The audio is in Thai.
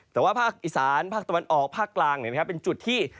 แต่ว่าภาคอีสานภาคตะวันออกภาคกลางเนี่ยนะครับเป็นจุดที่